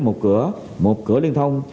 một cửa một cửa liên thông